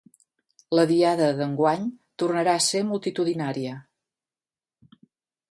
La Diada d’enguany tornarà a ser multitudinària.